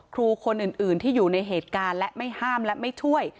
ครูคนอื่นที่อยู่ในเหตุการณ์และไม่ห้ามและไม่ช่วย